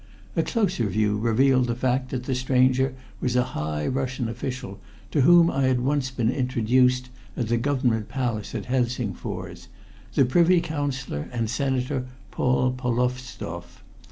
A closer view revealed the fact that the stranger was a high Russian official to whom I had once been introduced at the Government Palace at Helsingfors, the Privy Councillor and Senator Paul Polovstoff.